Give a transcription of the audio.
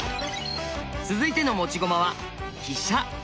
続いての持ち駒は「飛車」！